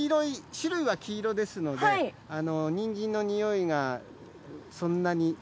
種類は黄色ですのでニンジンの匂いがそんなに。